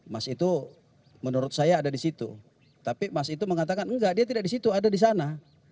mas itu menurut saya ada di situ tapi mas itu mengatakan enggak dia tidak di situ ada di sana